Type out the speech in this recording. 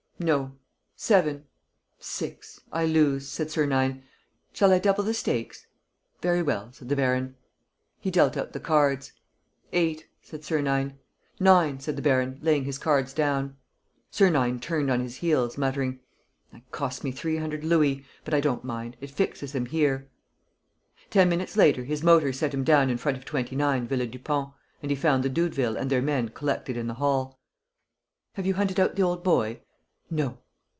"No." "Seven." "Six. I lose," said Sernine. "Shall I double the stakes?" "Very well," said the baron. He dealt out the cards. "Eight," said Sernine. "Nine," said the baron, laying his cards down. Sernine turned on his heels, muttering: "That costs me three hundred louis, but I don't mind; it fixes him here." Ten minutes later his motor set him down in front of 29, Villa Dupont; and he found the Doudevilles and their men collected in the hall: "Have you hunted out the old boy?" "No."